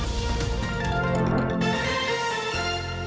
สวัสดีค่ะ